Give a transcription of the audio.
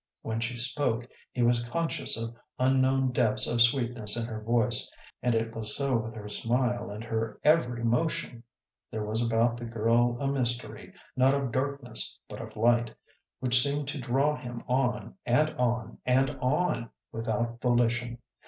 When she spoke, he was conscious of unknown depths of sweetness in her voice, and it was so with her smile and her every motion. There was about the girl a mystery, not of darkness but of light, which seemed to draw him on and on and on without volition.